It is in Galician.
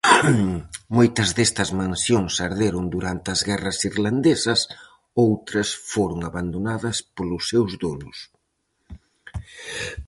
Moitas destas mansións arderon durante as guerras irlandesas, outras foron abandonadas polos seus donos.